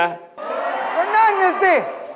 นั่นแน่สิ